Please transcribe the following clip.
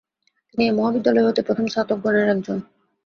তিনি এই মহাবিদ্যালয় হতে প্রথম স্নাতকগণের একজন।